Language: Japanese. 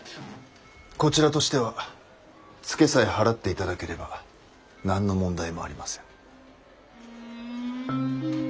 こちらとしてはツケさえ払って頂ければ何の問題もありません。